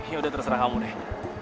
ya udah terserah kamu deh